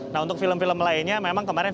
nah untuk film film lainnya memang kemarin